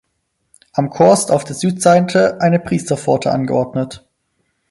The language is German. Am Chor ist auf der Südseite eine Priesterpforte angeordnet.